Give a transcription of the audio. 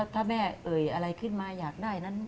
ถ้าแม่อะไรขึ้นมาอยากได้